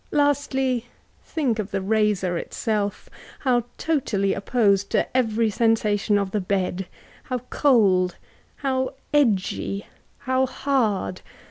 — ^Lastly, think of the razor itself— how totally opposed to every sensation oi bed — how cold, how edgy, how hard